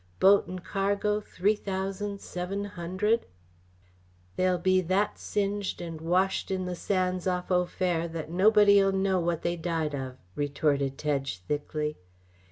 Boat an' cargo three thousand seven hundred " "They'll be that singed and washed in the sands off Au Fer that nobody'll know what they died of!" retorted Tedge thickly.